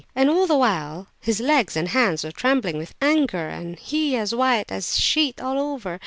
And all the while his legs and hands were trembling with anger, and he as white as a sheet all over!